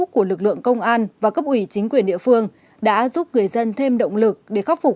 của lực lượng công an và cấp ủy chính quyền địa phương đã giúp người dân thêm động lực để khắc phục